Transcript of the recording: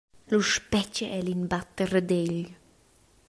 Lu spetga el in batterdegl.